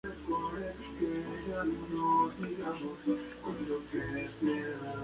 La República de Austria negó defenderse.